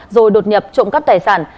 rồi đột nhập trộm cắp tài sản